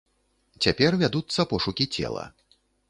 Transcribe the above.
Цяпер вядуцца пошукі цела.